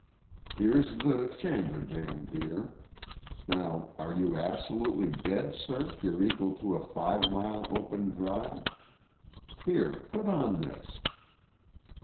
"Here's the shandradan, dear. Now are you absolutely dead cert you're equal to a five mile open drive. Here put on this."